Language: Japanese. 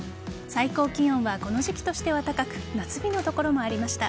最高気温はこの時期としては高く夏日の所もありました。